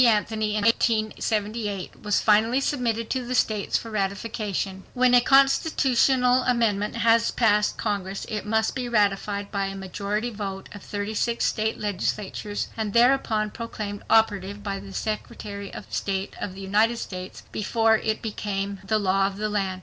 Anthony in 1878, was finally submitted to the states for ratification on June 4th, 1919. When a constitutional amendment has passed Congress it must be ratified by a majority vote of 36 state legislatures and thereupon proclaimed operative by the Secretary of State of the United States before it becomes the law of the land.